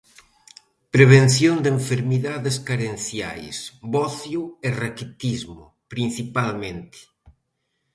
Prevención de enfermidades carenciais, bocio e raquitismo principalmente.